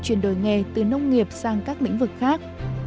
chuyển đổi nghề từ nông nghiệp sang các lĩnh vực khác